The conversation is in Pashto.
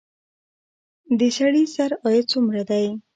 د سړي سر عاید څومره دی؟